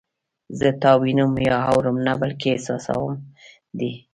زه تا وینم یا اورم نه بلکې احساسوم دې